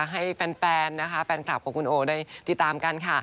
ให้แฟนแฟนคลับกับคุณโอได้ติดตามกัน